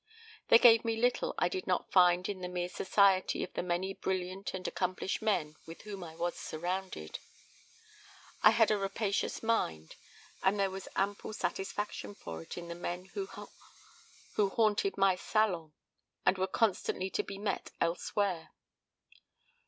They gave me little I did not find in the mere society of the many brilliant and accomplished men with whom I was surrounded. I had a rapacious mind, and there was ample satisfaction for it in the men who haunted my salon and were constantly to be met elsewhere.